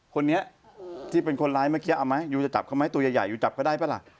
คนนี้ที่เป็นคนร้ายเมื่อกี้เอาไหมยูจะจับเขาไหมตัวใหญ่ยูจับเขาได้ป่ะล่ะ